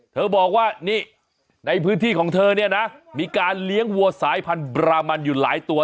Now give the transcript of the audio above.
เธอบอกว่านี่ในพื้นที่ของเธอเนี่ยนะมีการเลี้ยงวัวสายพันธุบรามันอยู่หลายตัว